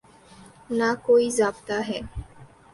نہ کوئی ضابطہ ہے۔